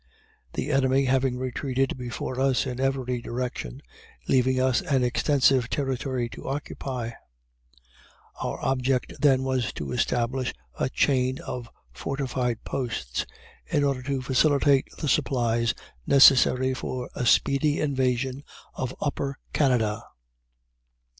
The enemy having retreated before us in every direction, leaving us an extensive territory to occupy; our object then was to establish a chain of fortified posts, in order to facilitate the supplies necessary for a speedy invasion of Upper Canada.